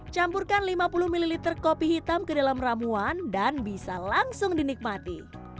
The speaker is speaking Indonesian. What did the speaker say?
campurkan lima puluh ml kopi hitam ke dalam ramuan dan bisa langsung dinikmati